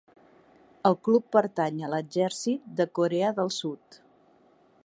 El club pertany a l'Exèrcit de Corea del Sud.